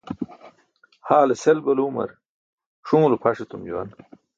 haale sel balumar ṣunulo pʰaṣ etum juwan.